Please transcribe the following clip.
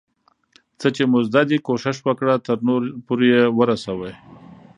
څه چي مو زده دي، کوښښ وکړه ترنور پورئې ورسوې.